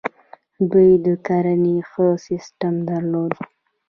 دوی د کرنې ښه سیستم درلود